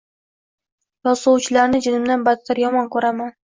Yozg`uvchilarni jinimdan battar yomon ko`raman